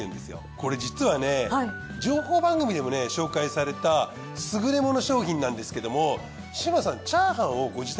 これ実はね情報番組でもね紹介された優れもの商品なんですけども志真さん。